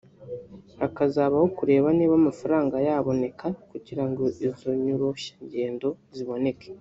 hakazabaho kureba niba amafaranga yaboneka kugira ngo izo nyoroshyangendo ziboneke